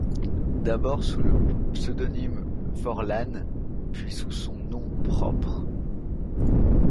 D'abord sous le pseudonyme Forlane, puis sous son nom propre.